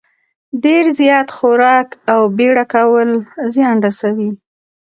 ډېر زیات خوراک او بېړه کول زیان رسوي.